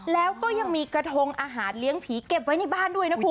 แล้วก็ยังมีกระทงอาหารเลี้ยงผีเก็บไว้ในบ้านด้วยนะคุณ